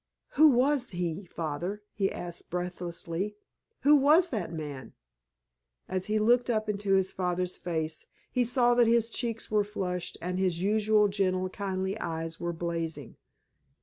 "Who was he, Father?" he asked breathlessly. "Who was that man?" As he looked up into his father's face he saw that his cheeks were flushed and his usually gentle, kindly eyes were blazing.